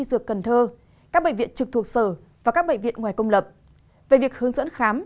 dược cần thơ các bệnh viện trực thuộc sở và các bệnh viện ngoài công lập về việc hướng dẫn khám